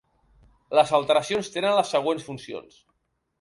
Les alteracions tenen les següents funcions.